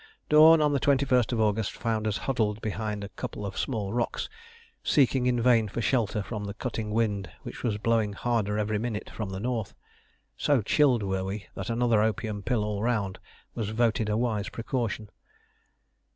Dawn on the 21st August found us huddled behind a couple of small rocks, seeking in vain for shelter from the cutting wind which was blowing harder every minute from the north. So chilled were we that another opium pill all round was voted a wise precaution.